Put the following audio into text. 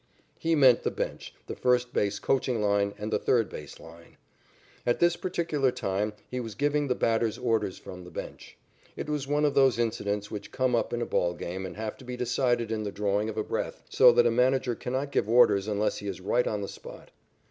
He meant the bench, the first base coaching line, and the third base line. At this particular time he was giving the batters orders from the bench. It was one of those incidents which come up in a ball game and have to be decided in the drawing of a breath, so that a manager cannot give orders unless he is right on the spot.